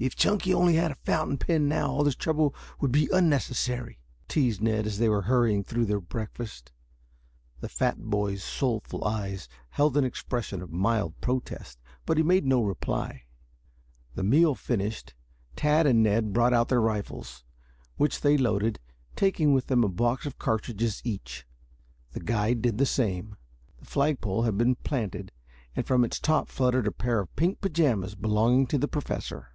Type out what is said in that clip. "If Chunky only had a fountain pen now all this trouble would be unnecessary," teased Ned as they were hurrying through their breakfast. The fat boy's soulful eyes held an expression of mild protest, but he made no reply. The meal finished, Tad and Ned brought out their rifles, which they loaded, taking with them a box of cartridges each. The guide did the same. The flagpole had been planted and from its top fluttered a pair of pink pajamas belonging to the Professor.